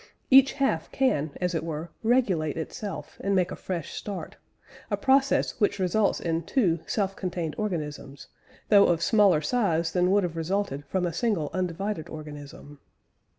Each half can, as it were, regulate itself, and make a fresh start; a process which results in two self contained organisms, though of smaller size than would have resulted from a single undivided organism.